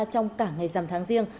trong cả ngày rằm tháng riêng